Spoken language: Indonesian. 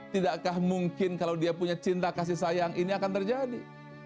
tidakkah mungkin kalau dia punya cinta kasih sayang ini akan terjadi